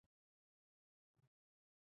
该报经多次改版。